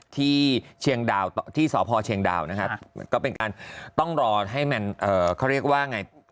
เชียงดาวที่สพเชียงดาวนะครับก็เป็นการต้องรอให้มันเขาเรียกว่าไง